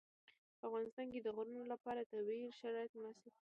په افغانستان کې د غرونه لپاره طبیعي شرایط مناسب دي.